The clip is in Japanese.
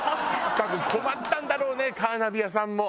多分困ったんだろうねカーナビ屋さんも。